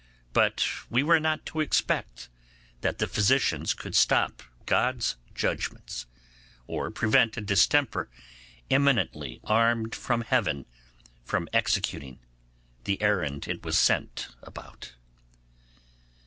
But we were not to expect that the physicians could stop God's judgements, or prevent a distemper eminently armed from heaven from executing the errand it was sent about.